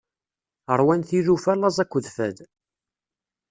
Ṛwan tilufa laẓ akked fad.